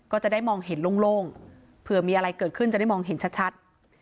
ก็จะได้มองเห็นโล่งเผื่อมีอะไรเกิดขึ้นจะได้มองเห็นชัด